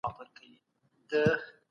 ژوندپوهنه د طبيعت مطالعه پيل کړه.